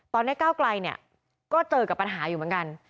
ตอนในก้าวกลัยก็เจอกับปัญหาอยู่เหมือนกัน